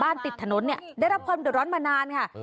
ติดถนนเนี่ยได้รับความเดือดร้อนมานานค่ะ